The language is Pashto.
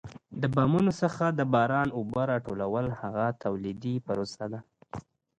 د بامونو څخه د باران اوبه را ټولول هغه تولیدي پروسه ده.